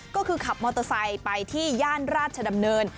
ก็คือขับมอเตอร์ไซค์ไปที่ย่านราชดำเนิน